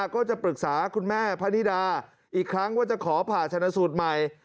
ก็จะปรึกษาคุณแม่พะนิดาอีกครั้งว่าจะขอผ่าชนะสูตรใหม่